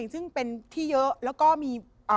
ซึ่งเป็นที่เยอะแล้วก็มี